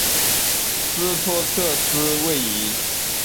斯托克斯位移。